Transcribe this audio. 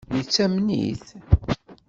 Yettamen-it?